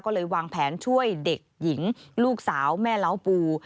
ก็เลยวางแผนช่วยเด็กหญิงลูกสาวแม่เล้าปู